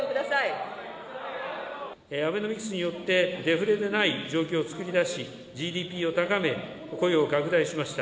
アベノミクスによって、デフレでない状況を作り出し、ＧＤＰを高め、雇用を拡大しました。